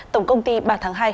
tổng công ty ba tháng hai